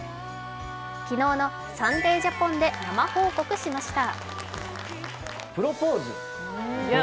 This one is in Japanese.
昨日の「サンデー・ジャポン」で生報告しました。